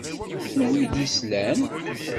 Anwa i d-yeslan?